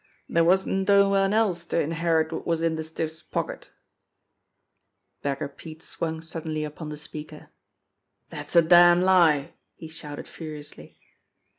"Dere wasn't no one else to inherit wot was in de stiff's pocket !" Beggar Pete swung suddenly upon the speaker. "Dat's a damn lie !" he shouted furiously.